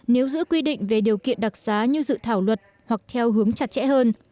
nếu giữ quy định về điều kiện đặc xá như dự thảo luật hoặc theo hướng chặt chẽ hơn